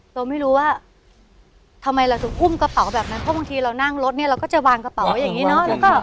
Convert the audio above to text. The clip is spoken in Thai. เราไม่รู้ว่าทำไมเราถึงอุ้มกระเป๋าแบบนั้นเพราะบางทีเรานั่งรถเนี่ยเราก็จะวางกระเป๋าอย่างนี้เนอะ